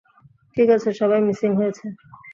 ঠিক আছে, সবাই মিসিং হয়েছে।